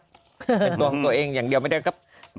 เป็นตัวของตัวเองอย่างเดียวไม่ได้ครับ